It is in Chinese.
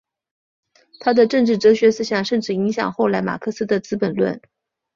他的政治哲学思想甚至影响后来马克思的资本论。